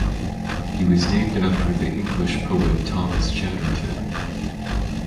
He was named after the English poet Thomas Chatterton.